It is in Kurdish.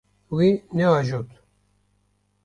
Wî neajot.